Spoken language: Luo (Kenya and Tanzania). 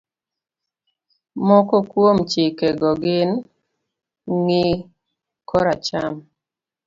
Moko kuom chikego gin, ng'i koracham,